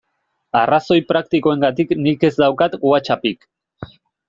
Arrazoi praktikoengatik nik ez daukat WhatsAppik.